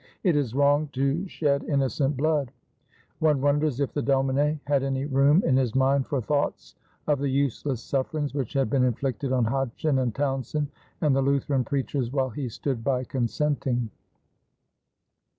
It is wrong to shed innocent blood." One wonders if the domine had any room in his mind for thoughts of the useless sufferings which had been inflicted on Hodgson and Townsend and the Lutheran preachers while he stood by consenting.